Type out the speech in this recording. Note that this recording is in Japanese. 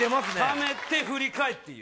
ためて、振り返って言う。